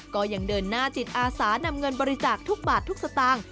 ก็ยังเดินหน้าจิตอาสานำเงินบริจาคทุกบาททุกสตางค์